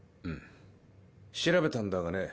調べたんだがね